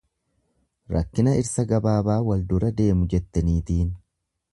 Rakkina dhirsa gabaabaa wal dura deemu jette niitiin.